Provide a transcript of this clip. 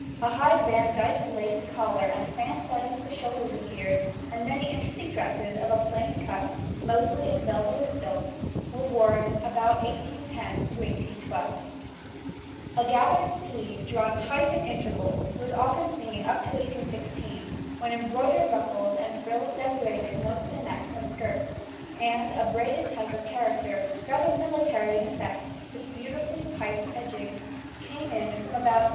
A high Vandyked lace collar and fan setting to the shoulders appeared, and many interesting dresses of a plain cut, mostly in velvet and silks, were worn about 1810 12. A gathered sleeve drawn tight at intervals was often seen up to 1816, when embroidered ruffles and frills decorated most of the necks and skirts, and a braided type of character, rather military in effect with beautifully piped edgings, came in from about 1817.